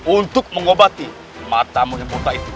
untuk mengobati mata menyembuta itu